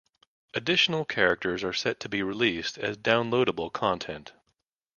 Additional characters are set to be released as downloadable content.